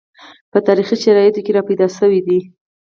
په تاریخي شرایطو کې راپیدا شوي دي